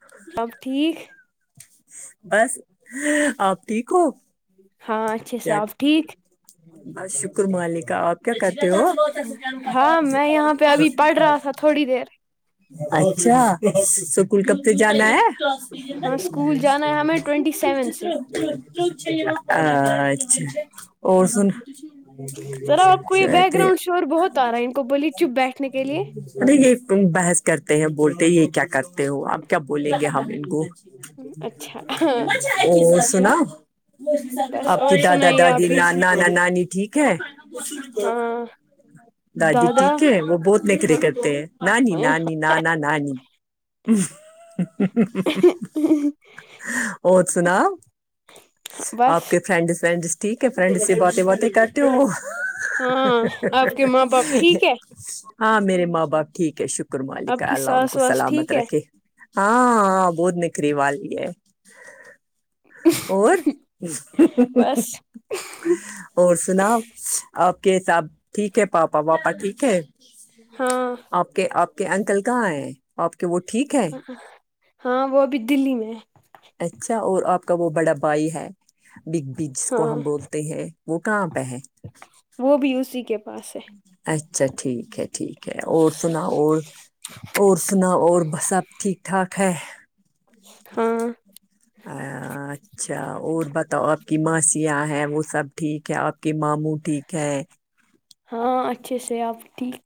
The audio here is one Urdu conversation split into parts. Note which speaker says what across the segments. Speaker 1: ہ
Speaker 2: اب ٹھیک
Speaker 1: بس آپ ٹھیک ہو
Speaker 2: ہاں اچھے سے
Speaker 1: کیا
Speaker 2: آپ ٹھیک
Speaker 1: بس شکر مالکا آپ کیا کرتے ہو
Speaker 2: ہاں میں یہاں پہ ابھی پڑ رہا تھا تھوڑی دیر
Speaker 1: اچھا سکول کب سے جانا ہے
Speaker 2: ہاں اسکول جانا ہے ہمیں ٹوینٹی سیون
Speaker 1: چت
Speaker 2: سے
Speaker 1: ا اچھا اور سن
Speaker 2: ذرا آپ کو یہ بیک
Speaker 1: شیتری
Speaker 2: گراؤنڈ شور بہت آ رہا ہے ان کو بولیے چپ بیٹھنے کے لیے
Speaker 1: ارے یہ تم بحث کرتے ہیں بولتے یہ کیا کرتے ہو آپ کیا بولیں گے ہم ان کو
Speaker 2: اچھا ہاں
Speaker 1: ا سنا
Speaker 2: بس
Speaker 1: آپ
Speaker 2: اور
Speaker 1: کی دادا
Speaker 2: سنائیے
Speaker 1: دادی
Speaker 2: آپ ہی
Speaker 1: نانا نانی ٹھیک ہے
Speaker 2: ہاں
Speaker 1: دادی
Speaker 2: دادا
Speaker 1: ٹھیک ہے وہ بہت نکرے
Speaker 2: ہاں
Speaker 1: کرتے ہیں نانی نانی ن نہ نہ نہیں اور سنا آپ
Speaker 2: بس
Speaker 1: کے فرینڈس ونڈس ٹھیک ہے فرینڈ سے باتیں باتیں کرتے ہو
Speaker 2: ہاں آپ کے ماں باپ ٹھیک ہے
Speaker 1: ہاں میرے ماں باپ ٹھیک ہے شکر ملک
Speaker 2: آپ
Speaker 1: ہے
Speaker 2: کی
Speaker 1: اللہ ان
Speaker 2: ساس
Speaker 1: کو
Speaker 2: واس ٹھیک
Speaker 1: سلامت
Speaker 2: ہے
Speaker 1: رکھے ہاں ہاں بہت نکھری والی ہے اور
Speaker 2: بس
Speaker 1: اور سنا آپ کے حساب ٹھیک ہے پاپا واپا ٹھیک ہے
Speaker 2: ہاں
Speaker 1: آپ کے آپ کہ انکل کہاں آ آپ کے وہ ٹھیک ہے
Speaker 2: ہاں وہ ا بھی دلی میں ہے
Speaker 1: اچھا اور آپ کا وہ بڑا بائی ہے بگ بی جس
Speaker 2: ہاں
Speaker 1: کو ہم بول ہے وہ کہاں پہ ہے
Speaker 2: وہ بھی اسی کے پاس ہے
Speaker 1: اچھا ٹھیک ہے ٹھیک ہے اور سنا اور اور سنا اور ب سب ٹھیک ٹھاک ہے
Speaker 2: ہاں
Speaker 1: اچھا اور بتاؤ آپ کی ماسیاں ہیں وہ سب ٹھیک ہے آپ کی ماموں ٹھیک کہ
Speaker 2: ہاں اچھے سے آپ ٹھیک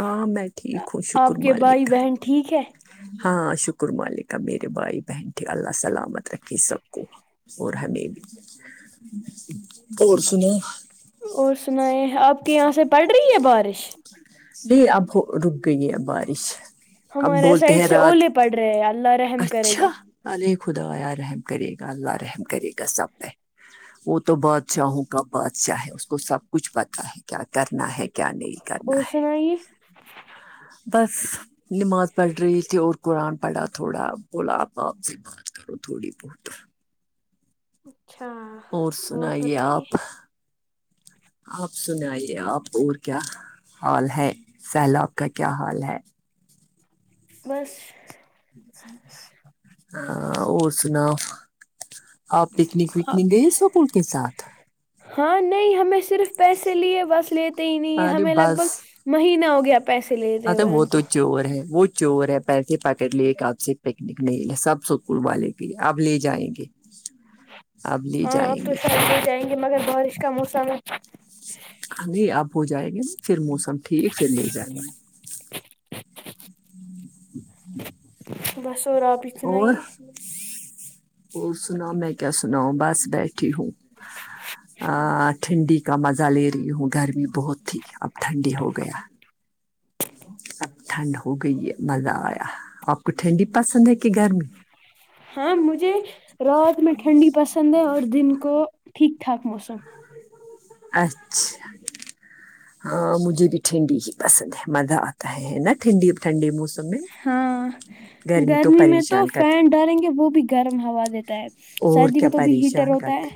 Speaker 1: ہ میں ٹھیک ہوں شکر
Speaker 2: آپ کے بھائی
Speaker 1: مالکم
Speaker 2: بہن ٹھیک ہے
Speaker 1: ہاں شکر ملکا میرے بھائی بہن تھ اللہ سلامت رکھی سب کو اور ہےب بھی اور سنو
Speaker 2: اور سنائیں آپ کے یہاں سے پڑ رہی ہے بارش
Speaker 1: نہیں اب رک گئی ہے بارش اب
Speaker 2: ہمارے
Speaker 1: بولتے
Speaker 2: سائڈ
Speaker 1: ہیں
Speaker 2: سے اوولے
Speaker 1: رات
Speaker 2: پڑ رہے ہیں اللہ رحم کرے گا
Speaker 1: ال خدایا رحم کرے گا اللہ رحم کرے گا سب میں وہ تو بادشاہوں کا بادشاہ ہے اس کو سب کچھ پتاہ ہے کیا کرنا ہے کیا نہیں کرنا
Speaker 2: اور
Speaker 1: ہے
Speaker 2: [inaudible]
Speaker 1: بس نماز پڑھ رہی تھی اور قرآن پڑھا تھوڑا بولا آ بپ بات کرو تھوڑی بہت [unintelligible]
Speaker 2: اچھا
Speaker 1: اور سنے آپ آپ سنئیے آپ اور کیا ہال ہے سیلاب کا کیا ہال ہے
Speaker 2: بس
Speaker 1: ہاں اور سناؤ آپ پکنک
Speaker 2: آپ
Speaker 1: وکنک گئے سکول کے ساتھ
Speaker 2: ہاں نہیں ہمیں صرف پیسے لیے بس لیتے ہی نہیں ہیں ہمیں لگ بھگ مہینہ ہو گیا پیسے لیتے
Speaker 1: اھا
Speaker 2: ہوئے
Speaker 1: وہ
Speaker 2: ان کو
Speaker 1: تو چور ہے وہ چور ہے پیسے پاکٹ لے کے آپ سے پکنک نہیں لے سب سکول والے کے آپ لے جائیں گے اب لے
Speaker 2: ہاں اب
Speaker 1: جائیں
Speaker 2: تو
Speaker 1: گے
Speaker 2: شاد ہو جائیں گے مگر بارش کا موسم ہے
Speaker 1: ہم نہیں آپ ہو جائیں گے نا پھر موسم ٹھیک پھر لے جائیں گے
Speaker 2: [unintelligible] بس ہو راپی چنائی
Speaker 1: اور
Speaker 2: ہے
Speaker 1: اور سنا میں کیا سنا ہوں بس بیٹھی ہوں
Speaker 2: [unintelligible]
Speaker 1: ٹھنڈی کا مزہ لے رہی ہوں گرمی بہت تھی اب ٹھنڈی ہو گیا
Speaker 2: [inaudible]
Speaker 1: اب ٹھنڈ ہو گئی ہے مزہ آیا آپ کو ٹھنڈی پسند ہے کہ گرمی
Speaker 2: ہاں مجھے رات میں ٹھنڈی پسند ہے اور دن کو ٹھیک ٹھاک موسم
Speaker 1: اچھا ہاں مجھے بھی ٹھنڈی ہی پسند ہے مزہ آتا ہے نا ٹھنڈی ٹھنڈے موسم میں
Speaker 2: ہاں
Speaker 1: تو
Speaker 2: گرمی میں تو
Speaker 1: پریشان کرتا ہے
Speaker 2: فین ڈالیں گے وہ بھی گرم ہوا دیتا ہے
Speaker 1: اور
Speaker 2: سردی
Speaker 1: کیا
Speaker 2: میں تو بھی ہیٹر
Speaker 1: پریشان
Speaker 2: ہوتا ہے
Speaker 1: کتے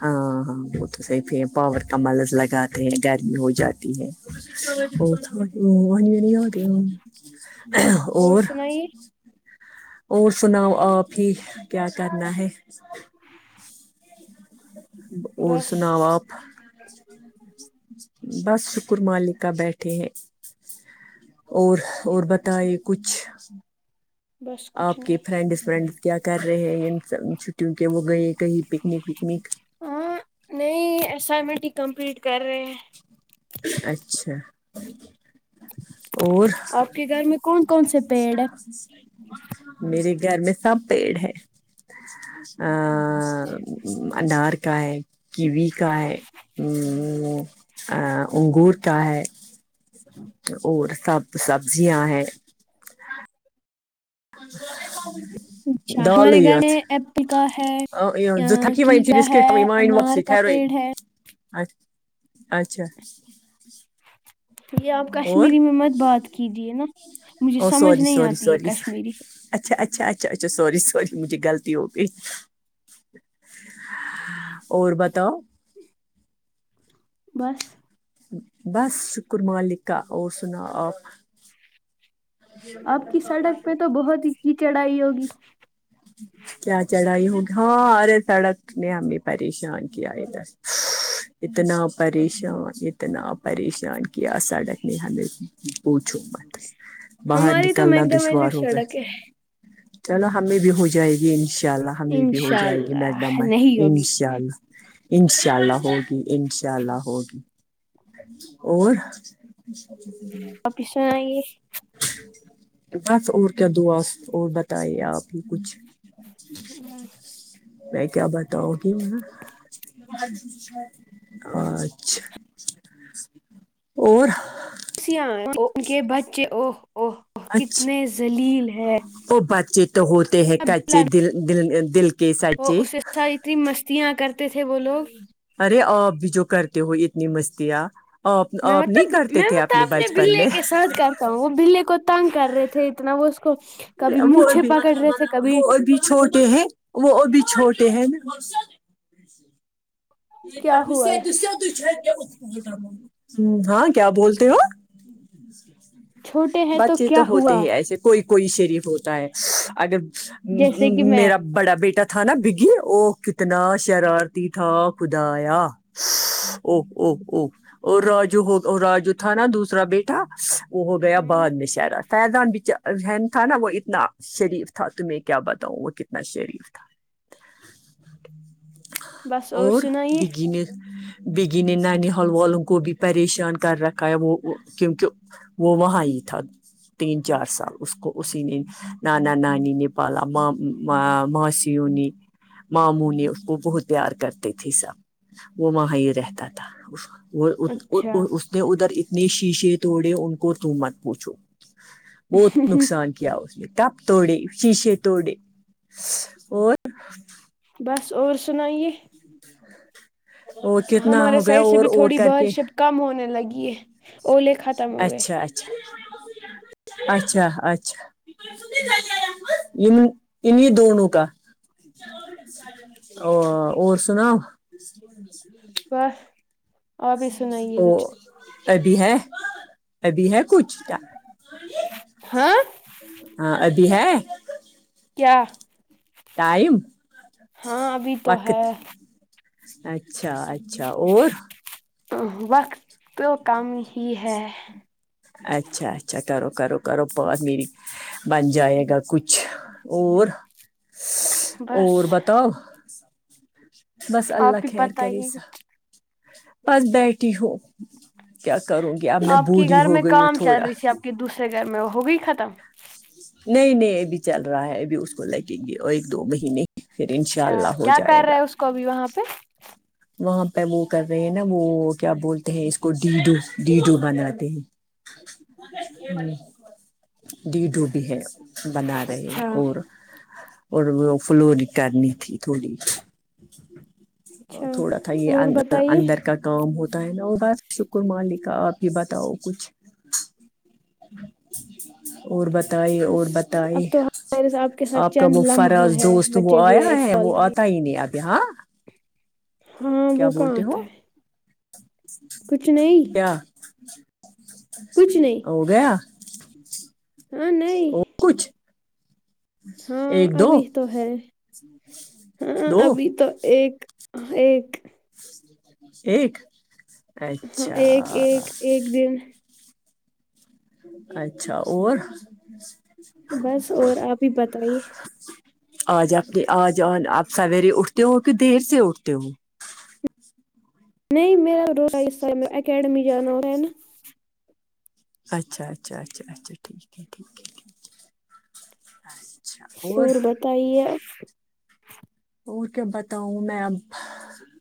Speaker 1: ہاں ہاں وہ تو صحف ہے پاور کا ملز لگاتے ہیں گرمی ہو جاتی ہے نہیں آ گ اور اور سناؤ آپ ہی کیا کرنا ہے اور
Speaker 2: بس
Speaker 1: سناؤ آپ بس شکر مالکہ بیٹھے ہیں اور اور بتائے کچھ
Speaker 2: بس کچھ
Speaker 1: آپ کے
Speaker 2: نہیں
Speaker 1: فرینڈ فرینڈ کیا کر رہے ہیں ان چھٹیوں کے وہ گئے کہیں پکنک وکنک
Speaker 2: ہاں نہیں اسائنمنٹ ہی کمپلیٹ کر رہے ہیں
Speaker 1: اچھا اور
Speaker 2: آپ کے گھر میں کون کون سے پیڑ ہے
Speaker 1: میرے گھر میں سب پیڑ ہے ا انار کا ہے کیوی کا ہے ہ انگور کیا ہے اور سب سبزیاں ہیں اچ
Speaker 2: اچھا ہمارے گھر میں ایپل کا ہے
Speaker 1: جو تھکی وم
Speaker 2: کی
Speaker 1: چ
Speaker 2: کا ہے
Speaker 1: بسکٹ
Speaker 2: انار کا پیڑ ہے
Speaker 1: اچھ اچھا
Speaker 2: یہ آپ
Speaker 1: اور
Speaker 2: کشمیری میں مت بات کیجیے نا مجھے
Speaker 1: او
Speaker 2: سمجھ
Speaker 1: سوری
Speaker 2: نہیں
Speaker 1: سوری
Speaker 2: آتی ہے
Speaker 1: سوری
Speaker 2: کشمیری
Speaker 1: اچھا اچھا اچھا اچھا سوری سوری مجھے غلطی ہو گئی اور بتاؤ
Speaker 2: بس
Speaker 1: بس شکر مالک کا اور سنا آپ
Speaker 2: آپ کی سڑک پ تو بہت ہی ہی چڑائی ہوگی
Speaker 1: کیا چڑھائی ہوگی سارے سڑک نے ہمیں پریشان کیا ا دھر ہ اتنا پریشان اتنا پریشان کیا سڑک نے ہمیں پوچھو م باہر
Speaker 2: ہماری تو
Speaker 1: نکلنا دشوار
Speaker 2: میکڈمائزڈ
Speaker 1: ہو گئے
Speaker 2: سڑک ہے
Speaker 1: چلو ہمیں بھی ہو جائے گی انشاء اللہ ہمیں بھی ہو
Speaker 2: انشاء
Speaker 1: جائے گی
Speaker 2: اللہ
Speaker 1: میڈم
Speaker 2: نہیں ہوگی
Speaker 1: انشاء اللہ انشاء اللہ ہوگی انشاء اللہ ہوگی اور
Speaker 2: پس آ
Speaker 1: بس اور کیا دعا اور بتائیے آپ ہی کچھ
Speaker 2: ا
Speaker 1: میں کیا بتاؤں گی م اچھا اور
Speaker 2: خوشیا ان کے بچے اوہ اوہ اوہ
Speaker 1: اچھا
Speaker 2: کتنے ذلیل ہیں
Speaker 1: وہ بچے تو ہوتے ہیں کچے دل د دل کے س
Speaker 2: وہ اس اتنی مستیاں کرتے تھے وہ لوگ
Speaker 1: ارے ا اب بھی جو کرتے ہو اتنی مستی آ آ
Speaker 2: میں
Speaker 1: آپ نہیں
Speaker 2: مطلب
Speaker 1: کرتے تھے اپنے بچپن میں
Speaker 2: تو وہ بے کو تنگ کر رہے تھے اتنا وہ اس کو کبھی
Speaker 1: وہ
Speaker 2: میچھے
Speaker 1: ابھی
Speaker 2: پکڑ رہے تھے
Speaker 1: وہ
Speaker 2: کبھی
Speaker 1: ابھی چھوٹے ہیں وہ بھی چھوٹے ہیں نا
Speaker 2: کیا ہوا
Speaker 1: ہاں کیا بولتے ہو
Speaker 2: چھوٹے ہیں
Speaker 1: بچ چی تو
Speaker 2: کیا
Speaker 1: ہوتے
Speaker 2: ہوا
Speaker 1: ہی ایسے کوئی کوئی شریف ہوتا ہے اگر
Speaker 2: جیسے کہ میں
Speaker 1: میرا بڑا بیٹا تھا نا بگی وہ کتنا شرارتی تھا کدایاں او او او اور راجو ہو راجو تھا نا دوسرا بیٹا وہ ہو گیا
Speaker 2: ہ
Speaker 1: بعد میں شہرا فیضان ذن تھا نا وہ اتنا شریف تھا تمہیں کیا بتاؤں وہ کتنا شریف تھا
Speaker 2: بس اور سناائیے
Speaker 1: نے بگی نے نان حل والوں کو بھی پریشان کر رکھا ہے وہ کیونک وہ وہاں ہی تھا تین چار سال اس کو اسی نے نانا نانی نے پالا ماں ماسییوں نے ماموں نے اس کو بہت پیار کرتے تھے سب وہ وہاں یہ رہتا تھا
Speaker 2: اچھا
Speaker 1: وہ نے ادھر اتنے شیشے توڑے ان کو تو مت پوچھو وہ نقصان کیا اس نے کپ توڑے شیشے توڑے اور
Speaker 2: بس اور سنائیے
Speaker 1: اور کتنا
Speaker 2: ہمارے
Speaker 1: ہو گیا
Speaker 2: سائڈ سے
Speaker 1: اور
Speaker 2: بھی
Speaker 1: اور
Speaker 2: تھوڑی
Speaker 1: کر کے
Speaker 2: بارش اب کم ہونے لگی ہے اولے ختم ہو گئے
Speaker 1: اچھا اچھا اچھا اچھا ع ہی دونوں کا اور اور سناؤ
Speaker 2: واہ
Speaker 1: ا تبھی ہے تبھی ہے کچھ کیا
Speaker 2: ہاں
Speaker 1: ہاں ابھی ہے
Speaker 2: کیا
Speaker 1: ٹائم
Speaker 2: ہاں ابھی تو ہے
Speaker 1: وقت اچھا اچھا اور
Speaker 2: وقت تو کم ہی ہے
Speaker 1: اچھا اچھا کرو کرو کرو بت میری بن جائے گا کچھ اور
Speaker 2: بس
Speaker 1: اور بتاؤ بس اللہ
Speaker 2: آپ ہی
Speaker 1: خیر
Speaker 2: پتہ
Speaker 1: کری
Speaker 2: ہی
Speaker 1: سا بس بیٹھی ہو کیا کروں گی اب میں
Speaker 2: آپ کے
Speaker 1: بوڑھی
Speaker 2: گھر
Speaker 1: ہو
Speaker 2: میں
Speaker 1: گئی ہوں
Speaker 2: کام چل
Speaker 1: تھوڑا
Speaker 2: رہی تھی آپ کے دوسرے گھر میں ہوگئی ختم
Speaker 1: نہیں نہیں ابھی چل رہا ہے اب اس کو لے کے گ ایک دو مہینے پھر انشاء اللہ ہو جائے گا
Speaker 2: کبھی وہاں پہ
Speaker 1: وہاں پہ وہ کر رہے ہیں نا وہ کیا بولتے ہیں اس کو ڈیڈو ڈیڈو بناتے ہیں
Speaker 2: [inaudible]
Speaker 1: ہ دیی ڈوب ہے بنا رہے
Speaker 2: اچھا
Speaker 1: اور اور وہ فلور کرنی تھی تھوڑی
Speaker 2: اچھا
Speaker 1: تھوڑا تھا یہ
Speaker 2: اور بتائیے
Speaker 1: اندر کا کام ہوتا ہے نا اور بس شکر مالک کا آپ ہی بتاؤ کچھ ج اور بتائی اور
Speaker 2: بس اب
Speaker 1: بتائی
Speaker 2: تو ہمارے کے ساتھ
Speaker 1: آپ کا
Speaker 2: چند
Speaker 1: وہ
Speaker 2: لمحہ
Speaker 1: فراز
Speaker 2: ہے
Speaker 1: دوست تو
Speaker 2: بچے
Speaker 1: وہ آیا
Speaker 2: ہوئے اس
Speaker 1: ہے
Speaker 2: کال
Speaker 1: وہ
Speaker 2: کے لیے
Speaker 1: آتا ہی نہیں آپ ہاں ہو
Speaker 2: [unintelligible] کچھ نہیں
Speaker 1: کیا
Speaker 2: کچھ نہیں
Speaker 1: ہو گیا
Speaker 2: ہاں نہیں
Speaker 1: اور کچھ
Speaker 2: ہاں
Speaker 1: ایک دو
Speaker 2: ابھی تو ہے ہاں
Speaker 1: دو
Speaker 2: ابھی تو ایک ایک
Speaker 1: ایک
Speaker 2: ہاں
Speaker 1: اچھا
Speaker 2: ایک ایک ایک دن
Speaker 1: اچھا اور
Speaker 2: بس اور آپ ہی بتائیے
Speaker 1: آج آنی آج آپ سویرے اٹھتے ہو کہ دیر سے اٹھتے ہو
Speaker 2: نہیں میرا روز حص اکیڈمی جانا ہو ہے نا
Speaker 1: اچھا اچھا اچھا اچھا ٹھیک ہے ٹھیک ہے ٹھ
Speaker 2: اورور بتائیے آپ
Speaker 1: اور کیا بتاؤں میں اب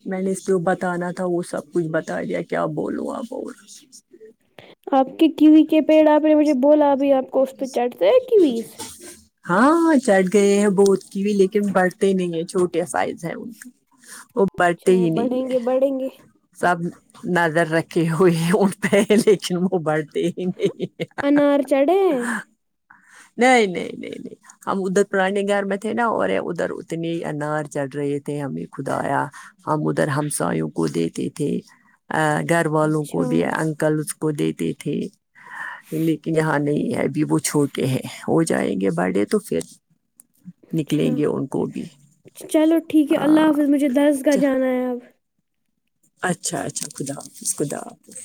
Speaker 1: میں نے اس پہ بتانا تھا وہ سب کچھ بتا دیا کیا بولو اب اور
Speaker 2: آپ کے کیوی کے پیڑ آپ نے مجھے بولا ا بھائی آپ کو اس پہ چڑھتے ہے کیویز
Speaker 1: ہاں چٹھ گئے ہیں بہت کی بھی لیکن بڑھتے نہیں ہے چھوٹی سائ ہے
Speaker 2: اچھا بڑھیں گے بڑھیں گے
Speaker 1: سب نظر رکھے ہوئے ان پہ لیکن وہ بڑھتے نہیں
Speaker 2: انار چڑھے ہیں
Speaker 1: نہیں نہیں نہیں نہیں ہم ادھر پرانے گھر میں تھے نا اور ادھر اتنے انار چڑھ رہے تھے ہمیں خدایا ہم ادھر ہمسایوں کو دیتے تھے گھر والوں
Speaker 2: اچھا
Speaker 1: کو بھی کل اس کو دیتے تھے لیکن یہاں نہیں ہے ابھی وہ چھوٹے ہے ہو جائیں گے بڑڈے تو پھر
Speaker 2: اچھا
Speaker 1: نکلیں گے ان کو بھی
Speaker 2: چلو ٹھیک ہے اللہ
Speaker 1: ہاں
Speaker 2: حافظ مجھے درس کااہ
Speaker 1: اچھا
Speaker 2: جانا ہے اب
Speaker 1: اچھا اچھا خدا حافظ خدا حافظ